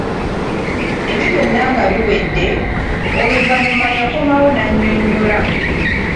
Ebyo byonna nga biwedde, oluvannyuma yakomawo n'annyonnyola.